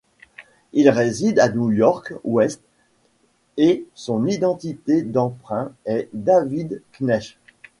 Il réside à New-York, Ouest, et son identité d'emprunt est David Knecht.